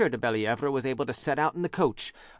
de Bellievre was able to set out in the coach that M.